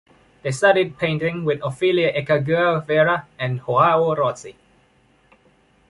They studied painting with Ofelia Echagüe Vera and Joao Rossi.